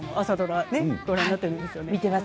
朝ドラ見てるんですよね？